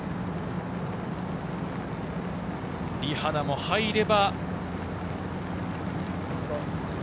リ・ハナも入れば。